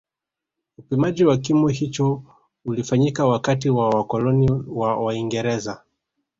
Upimaji wa kimo hicho ulifanyika wakati wa wakoloni wa waingereza